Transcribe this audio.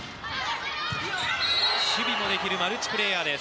守備もできるマルチプレーヤーです。